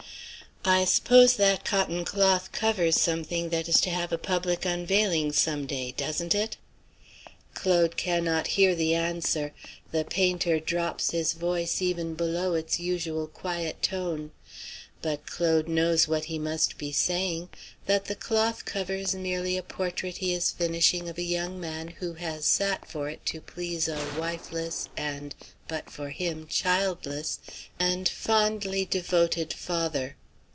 "I suppose that cotton cloth covers something that is to have a public unveiling some day, doesn't it?" Claude cannot hear the answer; the painter drops his voice even below its usual quiet tone. But Claude knows what he must be saying; that the cloth covers merely a portrait he is finishing of a young man who has sat for it to please a wifeless, and, but for him, childless, and fondly devoted father.